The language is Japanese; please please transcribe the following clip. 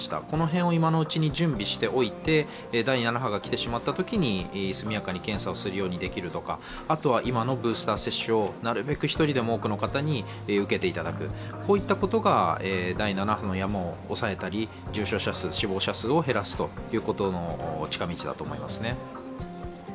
この辺を今のうちに準備しておいて第７波が来てしまったときに、速やかに検査ができるようにするとかあとは今のブースター接種をなるべく１人でも多くの方に受けていただく、こういったことが第７波の山を抑えたり重症者数・死亡者数を減らす近道だと思いますね。